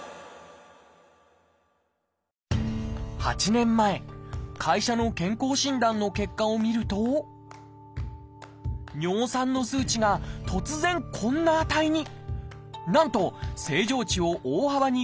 ８年前会社の健康診断の結果を見ると尿酸の数値が突然こんな値に。